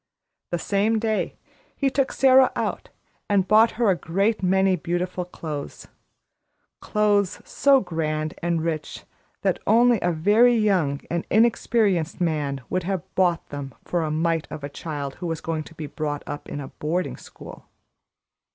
The same day, he took Sara out and bought her a great many beautiful clothes clothes so grand and rich that only a very young and inexperienced man would have bought them for a mite of a child who was to be brought up in a boarding school.